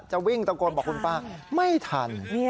จะวิ่งตะโกนบอกคุณป้าไม่ทัน